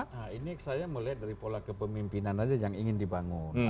nah ini saya melihat dari pola kepemimpinan saja yang ingin dibangun